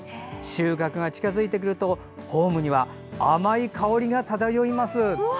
収穫が近づいてくるとホームには甘い香りが漂います。